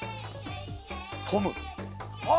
トム。